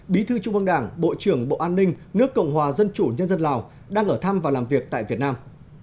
bí thư trung ương đảng bộ trưởng bộ an ninh nước cộng hòa dân chủ nhân dân lào đang ở thăm và làm việc tại việt nam